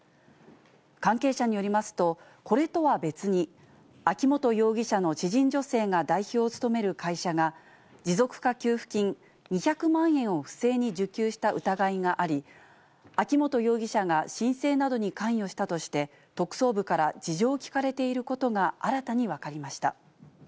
関係者によりますと、これとは別に、秋本容疑者の知人女性が代表を務める会社が、持続化給付金２００万円を不正に受給した疑いがあり、秋本容疑者が申請などに関与したとして、特捜部から事情を聴かれていることが、新たに分かりました。